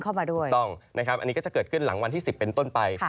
อันนี้ก็จะเกิดขึ้นหลังวันที่๑๐เป็นต้นไป